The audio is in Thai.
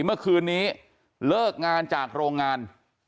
เมื่อคืนนี้เลิกงานจากโรงงาน